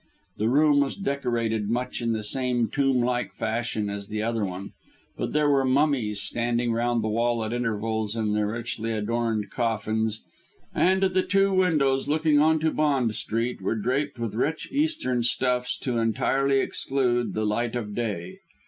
The room was decorated much in the same tomb like fashion as the other one, but there were mummies standing round the wall at intervals in their richly adorned coffins, and the two windows looking on to Bond Street were draped with rich Eastern stuffs to entirely exclude the light of day.